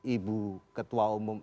ibu ketua umum